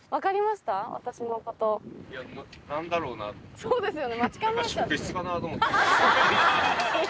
そうですよね。